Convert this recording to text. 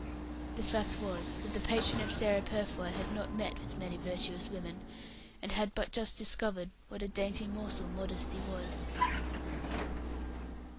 The fact was that the patron of Sarah Purfoy had not met with many virtuous women, and had but just discovered what a dainty morsel Modesty was.